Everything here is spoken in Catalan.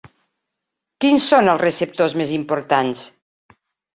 Quins són els receptors més importants?